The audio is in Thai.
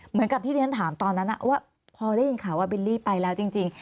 เหมือนกับที่เรียนถามตอนนั้นว่าพอได้ยินข่าวว่าบิลลี่ไปแล้วจริง